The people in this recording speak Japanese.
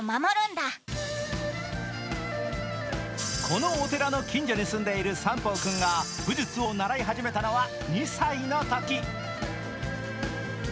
このお寺の近所に住んでいる三宝君が武術を習い始めたのは２歳のとき。